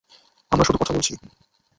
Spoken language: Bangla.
আমরা শুধু কথা বলছি।